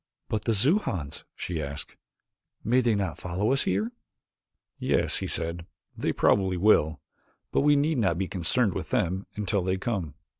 "But the Xujans ?" she asked, "may they not follow us here?" "Yes," he said, "they probably will. But we need not be concerned with them until they come."